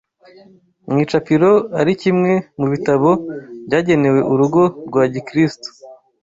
mu icapiro ari kimwe mu bitabo byagenewe Urugo rwa Gikristo